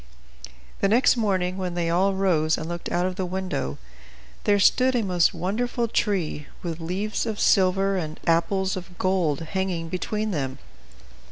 The next morning, when they all rose and looked out of the window, there stood a most wonderful tree, with leaves of silver and apples of gold hanging between them.